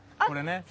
これね。